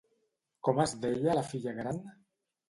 Com es deia la filla gran?